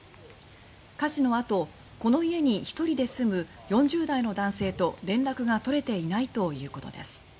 火事のあとこの家に１人で住む４０代の男性と連絡が取れていないということです。